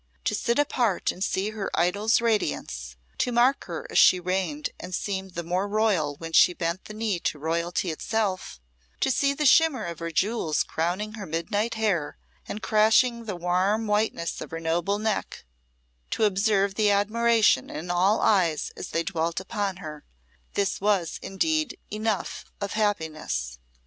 To sit apart and see her idol's radiance, to mark her as she reigned and seemed the more royal when she bent the knee to royalty itself, to see the shimmer of her jewels crowning her midnight hair and crashing the warm whiteness of her noble neck, to observe the admiration in all eyes as they dwelt upon her this was, indeed, enough of happiness.